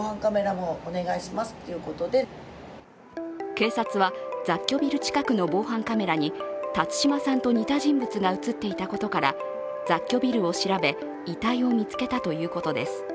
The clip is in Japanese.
警察は雑居ビル近くの防犯カメラに辰島さんと似た人物が映っていたことから雑居ビルを調べ、遺体を見つけたということです。